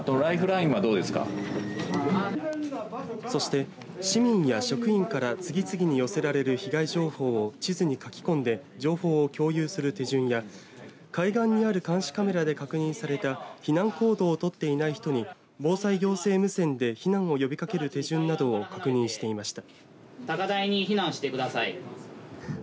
そして、市民や職員から次々に寄せられる被害情報を地図に書き込んで情報を共有する手順や海岸にある監視カメラで確認された避難行動を取っていない人に防災行政無線で避難を呼びかける手順などを確認していました。